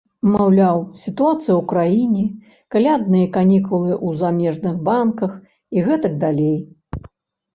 Маўляў, сітуацыя ў краіне, калядныя канікулы ў замежных банках і гэтак далей.